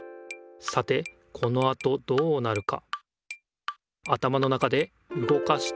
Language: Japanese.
さてこのあとどうなるか？